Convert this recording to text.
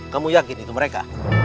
kamu yakin itu mereka